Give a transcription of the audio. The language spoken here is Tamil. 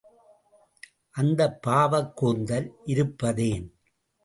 அந்தப் பாவக் கூந்தல் இருப்பதேன்?